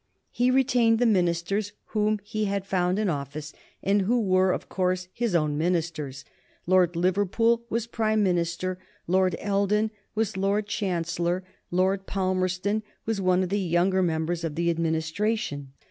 He retained the ministers whom he had found in office, and who were, of course, his own ministers. Lord Liverpool was Prime Minister, Lord Eldon was Lord Chancellor, Lord Palmerston was one of the younger members of the administration.